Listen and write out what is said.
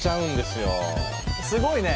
すごいね！